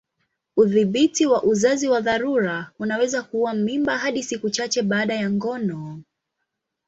Udhibiti wa uzazi wa dharura unaweza kuua mimba hadi siku chache baada ya ngono.